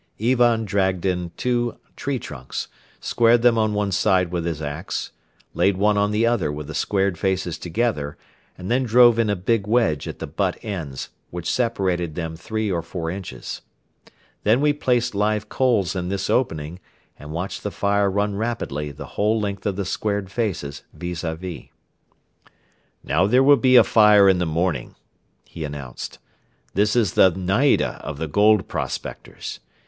Ivan dragged in two tree trunks, squared them on one side with his ax, laid one on the other with the squared faces together and then drove in a big wedge at the butt ends which separated them three or four inches. Then we placed live coals in this opening and watched the fire run rapidly the whole length of the squared faces vis a vis. "Now there will be a fire in the morning," he announced. "This is the 'naida' of the gold prospectors.